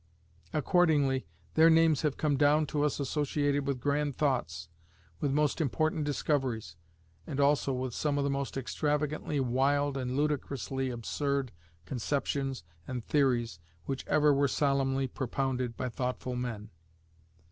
Accordingly their names have come down to us associated with grand thoughts, with most important discoveries, and also with some of the most extravagantly wild and ludicrously absurd conceptions and theories which ever were solemnly propounded by thoughtful men.